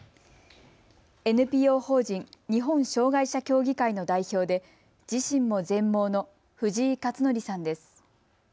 ＮＰＯ法人日本障害者協議会の代表で自身も全盲の藤井克徳さんです。